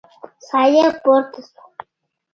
ساه يې پورته شوه.